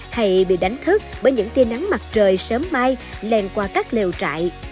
hay bị đánh thức bởi những tia nắng mặt trời sớm mai lèn qua các lều trại